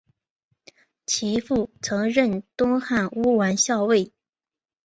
其父曾任东汉乌丸校尉。